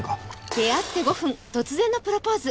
出会って５分突然のプロポーズ！